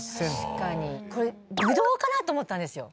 確かにこれぶどうかなと思ったんですよ